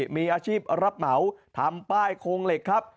มีอาชีพรับเหมาทำป้ายโครงเหล็กครับ